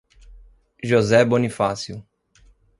José Bonifácio